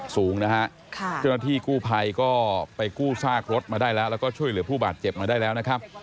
สูงนะฮะเจ้าหน้าที่กู้ภัยก็ไปกู้ซากรถมาได้แล้วแล้วก็ช่วยเหลือผู้บาดเจ็บมาได้แล้วนะครับ